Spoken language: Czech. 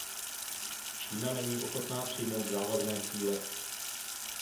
Čína není ochotná přijmout závazné cíle.